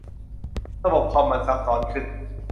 ระบบคอมมันซับซ้อนขึ้น